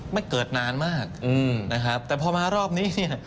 ไม่เกิดนานมากอืมนะครับแต่พอมารอบนี้เนี่ย